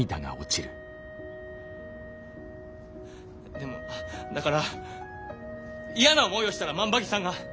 でもだから嫌な思いをしたら万場木さんが。